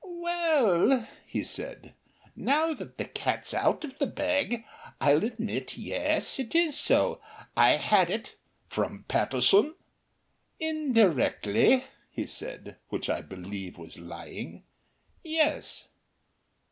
"Well," he said, "now the cat's out of the bag, I'll admit, yes, it is so. I had it " "From Pattison?" "Indirectly," he said, which I believe was lying, "yes."